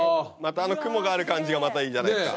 雲がある感じがまたいいじゃないですか。